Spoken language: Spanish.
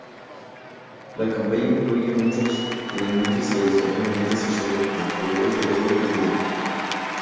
La campaña incluye muchos elementos tradicionalmente asociados con los juegos de rol de video.